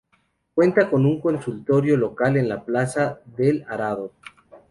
Cuenta con un consultorio local en la plaza del Arado.